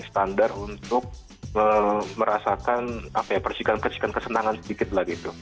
standar untuk merasakan persikan kesenangan sedikit lagi